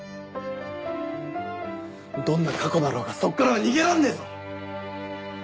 どんな過去だろうがそっからは逃げらんねえぞ！